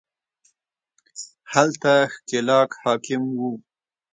هلته ښکېلاک حاکم وو